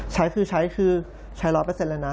ใช้คือใช้คือใช้๑๐๐เลยนะ